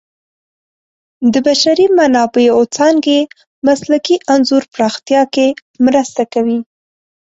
د بشري منابعو څانګې مسلکي انځور پراختیا کې مرسته کوي.